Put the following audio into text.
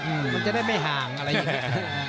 มันจะได้ไม่ห่างอะไรอย่างนี้